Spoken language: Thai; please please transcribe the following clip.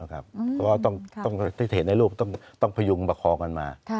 ก็ต้องที่เห็นในรูปต้องพยุงประคองกันมา